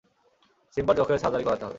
সিম্বার চোখের সার্জারি করাতে হবে।